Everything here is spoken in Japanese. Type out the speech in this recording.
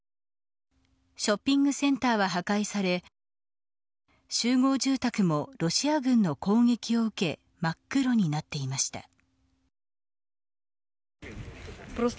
ショッピングセンターは破壊され集合住宅もロシア軍の攻撃を受け真っ黒になっていました。